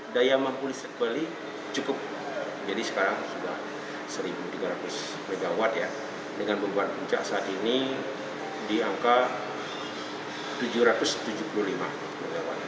daya mampu listrik bali cukup jadi sekarang sudah seribu tiga ratus mw ya dengan beban puncak saat ini di angka tujuh ratus tujuh puluh lima mw